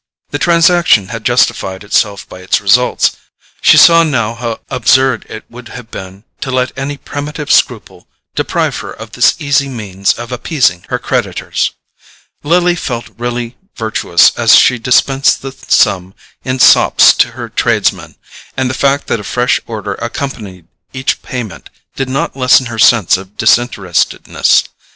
The transaction had justified itself by its results: she saw now how absurd it would have been to let any primitive scruple deprive her of this easy means of appeasing her creditors. Lily felt really virtuous as she dispensed the sum in sops to her tradesmen, and the fact that a fresh order accompanied each payment did not lessen her sense of disinterestedness.